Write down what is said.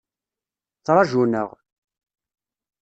Ttrajun-aɣ.